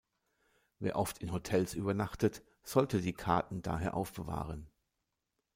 Wer oft in Hotels übernachtet, sollte die Karten daher aufbewahren.